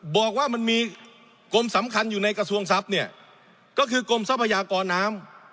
บอกว่ามันมีกรมสำคัญอยู่ในกระทรวงทรัพย์เนี่ยก็คือกรมทรัพยากรน้ำ